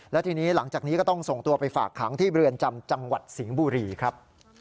และทีนี้หลังจากนี้ก็ต้องส่งตัวไปฝากขังที่เรือนจำจังหวัดสิงห์บุรีครับ